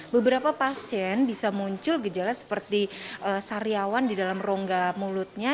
beberapa pasien bisa muncul gejala seperti sariawan di dalam rongga mulutnya